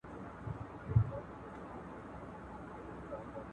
شفا هم د الله له لوري ده.